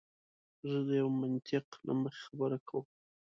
زه د یوه منطق له مخې خبره کوم.